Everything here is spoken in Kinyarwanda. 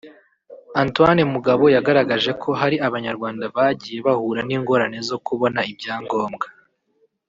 Antoine Mugabo yagaragaje ko hari abanyarwanda bagiye bahura n’ingorane zo kubona ibyangombwa